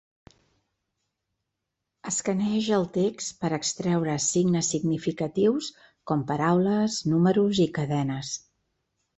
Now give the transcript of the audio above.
Escaneja el text per extreure "signes" significatius, com paraules, números i cadenes.